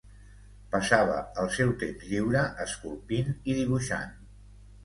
Passava el seu temps lliure esculpint i dibuixant.